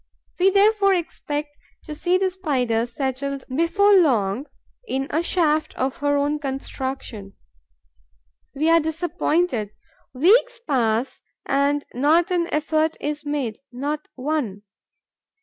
We therefore expect to see the Spider settled before long in a shaft of her own construction. We are disappointed. Weeks pass and not an effort is made, not one.